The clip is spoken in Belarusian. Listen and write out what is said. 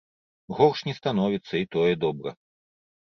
Горш не становіцца, і тое добра.